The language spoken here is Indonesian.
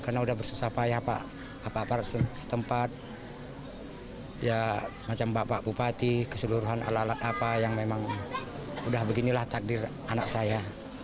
karena udah bersusah payah pak aparat aparat setempat ya macam bapak bupati keseluruhan alat alat apa yang memang udah beginilah takdir anak saya